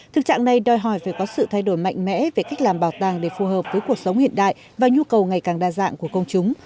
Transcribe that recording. thực trạng này đòi hỏi phải có sự thay đổi mạnh mẽ về cách làm bảo tàng để phù hợp với cuộc sống hiện đại và nhu cầu ngày càng đa dạng của công chúng